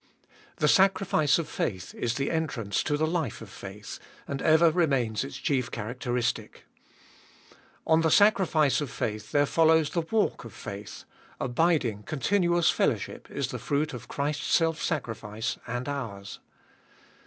THE sacrifice of faith is the entrance to the life of faith, and ever remains its chief characteristic. On the sacrifice of faith there follows the walk of faith — abiding, continuous fellowship is the fruit of Christ's self sacrifice and ours.